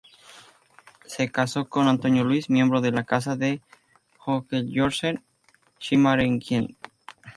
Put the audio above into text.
Se casó con Antonio Luis, miembro de la casa de Hohenzollern-Sigmaringen.